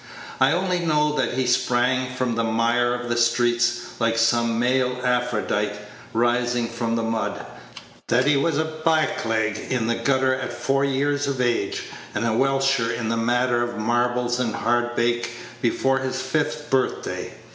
I only know that he sprang from the mire of the streets, like some male Aphrodite rising from the mud; that he was a blackleg in the gutter at four years of age, and a welsher in the matter of marbles and hardbake before his fifth birthday.